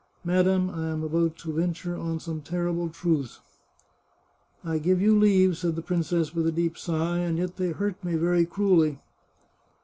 Madam, I am about to venture on some terrible truths." " I give you leave," said the princess with a deep sigh ;" and yet they hurt me cruelly